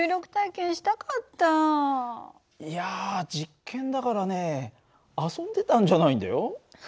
いや実験だからね遊んでたんじゃないんだよ。